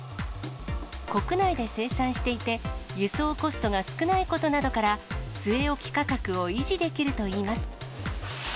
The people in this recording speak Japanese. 国内で生産していて、輸送コストが少ないことなどから、据え置き価格を維持できるといいます。